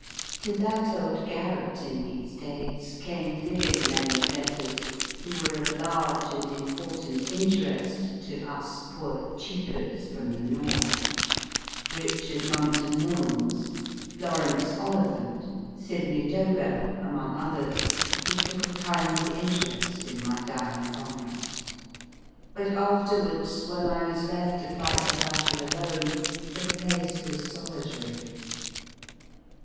To that old garret, in these days, came living men of letters who were of large and important interest to us poor cheepers from the North : Richard Monckton Milnes, Laurence Oliphant, Sydney Dobell, among others, who took a kindly interest in my dying comrade. But afterwards, when I was left to fight the battle alone, the place was solitary.